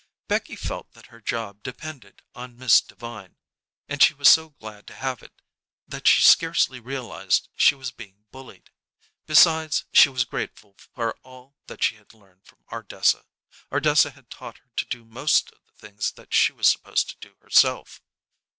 Becky felt that her job depended on Miss Devine, and she was so glad to have it that she scarcely realized she was being bullied. Besides, she was grateful for all that she had learned from Ardessa; Ardessa had taught her to do most of the things that she was supposed to do herself.